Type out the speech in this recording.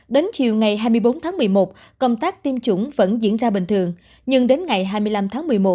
đến chiều ngày hai mươi bốn tháng một mươi một công tác tiêm chủng vẫn diễn ra bình thường nhưng đến ngày hai mươi năm tháng một mươi một